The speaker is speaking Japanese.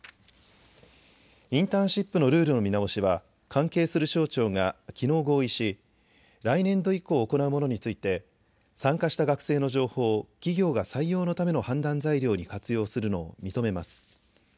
インターンシップのルールを見直しは関係する省庁がきのう合意し来年度以降、行うものについて参加した学生の情報を企業が採用のための判断材料に活用するのを認めます。